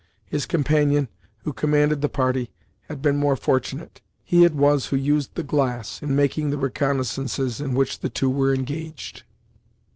His companion, who commanded the party, had been more fortunate. He it was who used the glass, in making the reconnoissances in which the two were engaged.